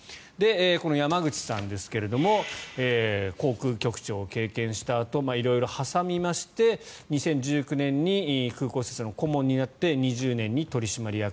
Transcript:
この山口さんですが航空局長を経験したあと色々挟みまして、２０１９年に空港施設の顧問になって２０年に取締役。